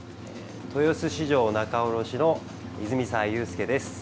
豊洲市場仲卸の泉澤裕介です。